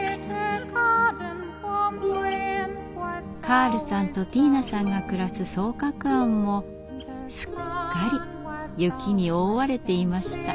カールさんとティーナさんが暮らす双鶴庵もすっかり雪に覆われていました。